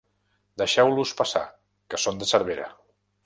Deixeu-los passar, que són de Cervera.